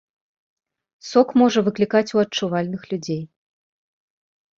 Сок можа выклікаць у адчувальных людзей.